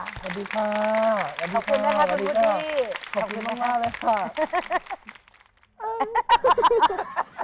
สวัสดีค่ะสวัสดีค่ะสวัสดีค่ะขอบคุณมากเลยค่ะ